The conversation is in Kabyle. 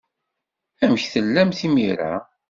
Amek tellamt imir-a?